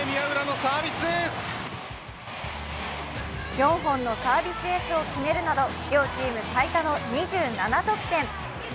４本のサービスエースを決めるなど、両チーム最多の２７得点。